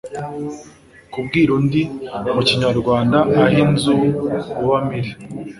kubwira undi mu kinyarwanda aho inzu ubamo iri